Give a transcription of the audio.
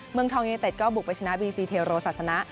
เมืองทองยูเนเต็ดก็บุกไปชนะบีซีเทโรศาสนะ